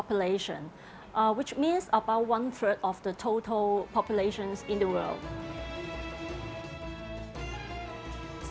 yang berarti sekitar satu ketiga dari populasi total di dunia